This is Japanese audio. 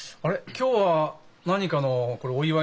今日は何かのこれお祝いなの？